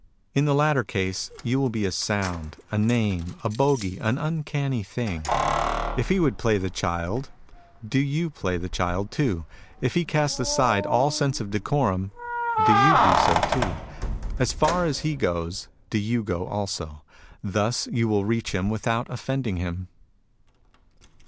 In the latter case you wUl be a sound, a name, a bogie, an uncanny thing. If he would play the cMld, do 77 78 MUSINGS OP A CHINESE MYSTIC you play the child too. If he cast aside all sense of decorum, do you do so too. As far as he goes, do you go also. Thus you will reach him without offending him.